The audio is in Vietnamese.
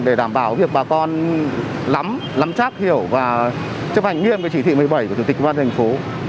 để đảm bảo việc bà con lắm chắc hiểu và chấp hành nghiêm cái chỉ thị một mươi bảy của chủ tịch công an thành phố